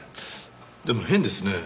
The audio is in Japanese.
でも変ですね。